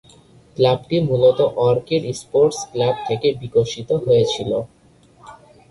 ক্লাবটি মূলত Orchid Sports Club থেকে বিকশিত হয়েছিল।